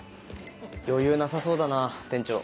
余裕なさそうだな店長。